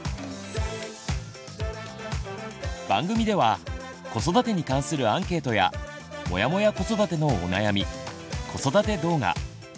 番組では子育てに関するアンケートや「モヤモヤ子育て」のお悩み子育て動画のびろ！